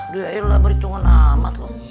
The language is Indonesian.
duh ya allah berhitungan amat loh